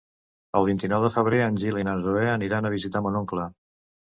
El vint-i-nou de febrer en Gil i na Zoè aniran a visitar mon oncle.